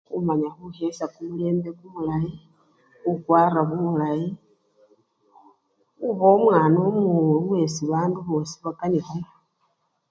Khumanya khukhesya kumulembe kumulayi, khukwara bulayi, khuba omwana omuwolu yesi bandu bosi bakanikhayo.